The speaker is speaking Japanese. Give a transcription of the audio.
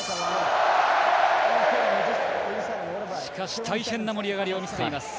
しかし、大変な盛り上がりを見せています。